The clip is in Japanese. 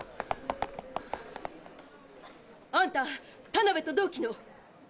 あんたタナベと同期の。